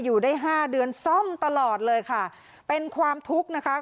อยู่ได้ห้าเดือนซ่อมตลอดเลยค่ะเป็นความทุกข์นะคะ